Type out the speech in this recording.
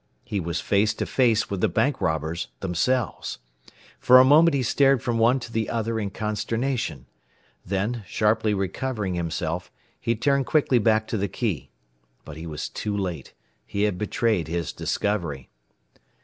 He was face to face with the bank robbers themselves! For a moment he stared from one to the other in consternation. Then, sharply recovering himself, he turned quickly back to the key. But he was too late. He had betrayed his discovery.